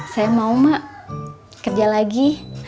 saya mau mak kerja lagi